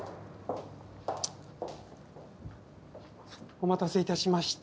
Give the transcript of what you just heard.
お待たせ致しました。